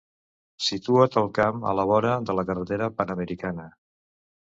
Situat al camp a la vora de la carretera Panamericana.